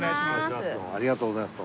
ありがとうございます。